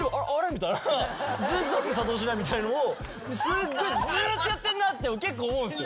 みたいなずっと作動しないみたいのをすごいずっとやってんなって結構思うんす。